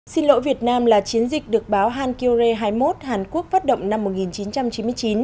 xin lỗi việt nam là chiến dịch được báo hàn kiều rê hai mươi một hàn quốc phát động năm một nghìn chín trăm chín mươi chín